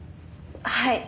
はい。